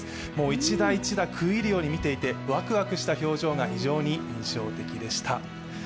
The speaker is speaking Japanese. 一打一打食い入るように見ていて、わくわくした表情が非常に印象的でした。